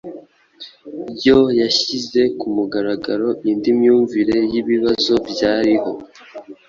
yo yashyize ku mugaragaro indi myumvire y'ibibazo byariho.